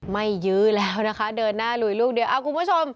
ไม่ยื้อแล้วนะคะเดินหน้าลุยลูกเดียว